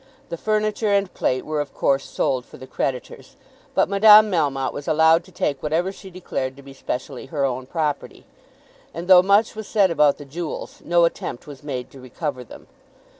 The furniture and plate were of course sold for the creditors, but Madame Melmotte was allowed to take whatever she declared to be specially her own property; and, though much was said about the jewels, no attempt was made to recover them.